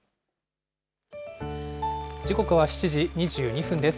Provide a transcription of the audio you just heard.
時刻は７時２２分です。